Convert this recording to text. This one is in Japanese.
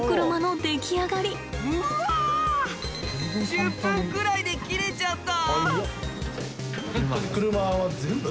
１０分ぐらいで切れちゃった。